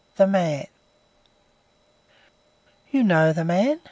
THE MAN "You know the man?"